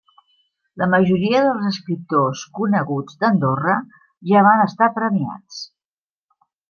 La majoria dels escriptors coneguts d'Andorra ja van estar premiats.